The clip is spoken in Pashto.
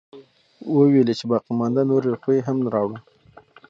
وويلې چې باقيمانده نورې روپۍ هم راوړه.